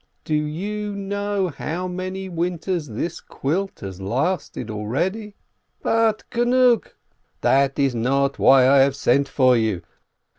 Do you know how many winters this quilt has lasted already ? But enough ! That is not why I have sent for you.